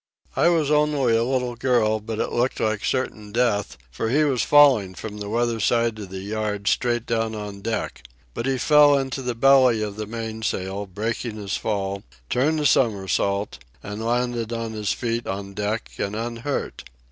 I was only a little girl, but it looked like certain death, for he was falling from the weather side of the yard straight down on deck. But he fell into the belly of the mainsail, breaking his fall, turned a somersault, and landed on his feet on deck and unhurt.